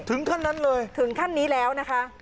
ถึงขั้นนั้นเลยถึงขั้นนี้แล้วนะคะ